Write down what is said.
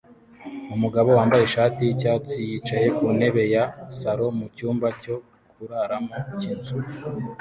Umugabo wambaye ishati y'icyatsi yicaye ku ntebe ya salo mu cyumba cyo kuraramo cy'inzu